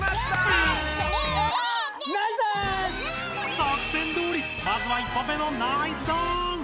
作戦どおりまずは１本目のナイスダンス！